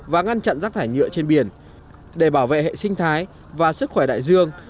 và ngăn chặn rác thải nhựa trên biển để bảo vệ hệ sinh thái và sức khỏe đại dương